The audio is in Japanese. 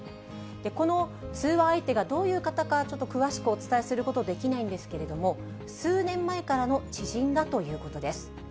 この通話相手がどういう方か、ちょっと詳しくお伝えすることできないんですけれども、数年前からの知人だということです。